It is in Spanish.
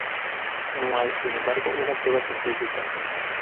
No hay sin embargo un prueba científica.